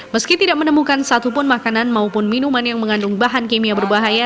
meski tidak menemukan satupun makanan maupun minuman yang mengandung bahan kimia berbahaya